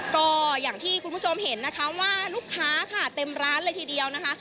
ก็อย่างที่คุณผู้ชมเห็นนะคะว่าลูกค้าค่ะเต็มร้านเลยทีเดียวนะคะ